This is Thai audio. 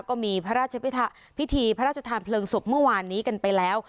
ก็มีพระราชพิธีพระราชทานเพลิงศพเมื่อวานนี้กันไปแล้ว